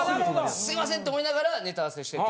すいませんって思いながらネタ合わせしてて。